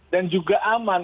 dan juga aman